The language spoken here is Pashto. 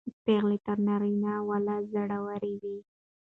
پېغلې تر نارینه و لا زړورې وې.